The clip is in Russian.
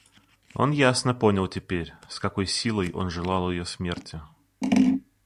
Он ясно понял теперь, с какой силой он желал ее смерти.